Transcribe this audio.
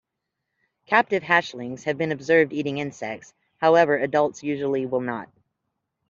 Captive hatchlings have been observed eating insects; however, adults usually will not.